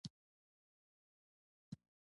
• که غواړې ښه ژوند ولرې، کتاب ولوله.